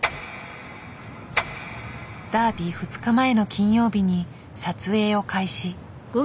ダービー２日前の金曜日に撮影を開始。